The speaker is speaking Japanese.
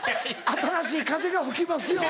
新しい風が吹きますよ。